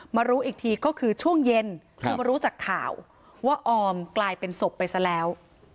รู้อีกทีก็คือช่วงเย็นคือมารู้จากข่าวว่าออมกลายเป็นศพไปซะแล้ว